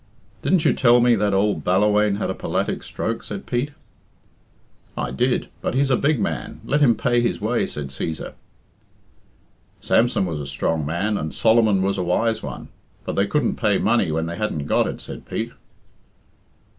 "Didn't you tell me that ould Ballawhaine had a polatic stroke?" said Pete. "I did; but he's a big man; let him pay his way," said Cæsar. "Samson was a strong man, and Solomon was a wise one, but they couldn't pay money when they hadn't got it," said Pete.